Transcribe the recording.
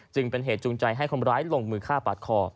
จึงเป็นเหตุจูงใจให้คนร้ายลงมือฆ่าปาดคอ